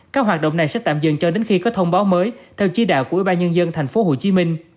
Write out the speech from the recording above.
các hoạt động này sẽ tạm dừng cho đến khi có thông báo mới theo chỉ đạo của ủy ban nhân dân tp hcm